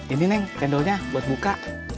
ini leng cendolnya buat buka